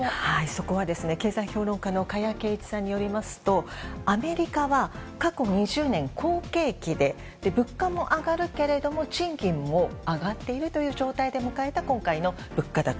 そこは経済評論家の加谷珪一さんによりますとアメリカは過去２０年、好景気で物価も上がるけれども賃金も上がっているという状態で迎えた今回の物価高。